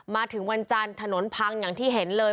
มาถึงวันจันทร์ถนนพังอย่างที่เห็นเลย